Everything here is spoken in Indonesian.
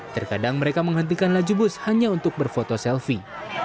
terkadang mereka menghentikan laju bus hanya untuk berfoto selfie